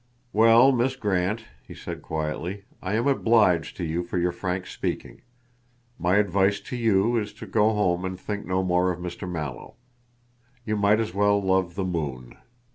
"Well, Miss Grant," he said quietly, "I am obliged to you for your frank speaking. My advice to you is to go home and think no more of Mr. Mallow. You might as well love the moon.